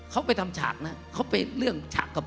เขาไปทำฉากนะเขาไปเรื่องฉากกระเป๋า